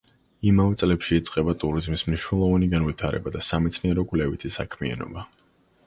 იმავე წლებში იწყება ტურიზმის მნიშვნელოვანი განვითარება და სამეცნიერო-კვლევითი საქმიანობა.